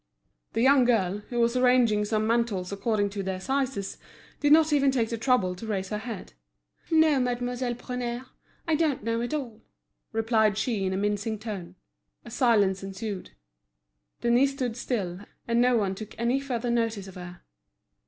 The young girl, who was arranging some mantles according to their sizes, did not even take the trouble to raise her head. "No, Mademoiselle Prunaire, I don't know at all," replied she in a mincing tone. A silence ensued. Denise stood still, and no one took any further notice of her.